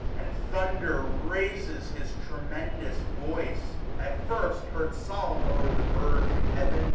The thunder raises his tremendous voice. At first, heard solemn o'er the verge of heaven.